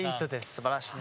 すばらしい。